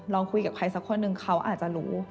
ลองคุยกับใครสักคนหนึ่งเขาอาจจะรู้